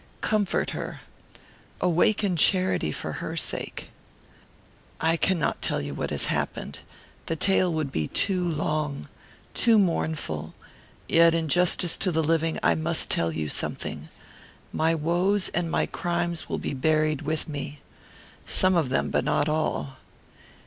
Comfort her. Awaken charity for her sake. "I cannot tell you what has happened. The tale would be too long, too mournful. Yet, in justice to the living, I must tell you something. My woes and my crimes will be buried with me. Some of them, but not all.